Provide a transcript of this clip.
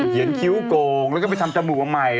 คิ้วโกงแล้วก็ไปทำจมูกใหม่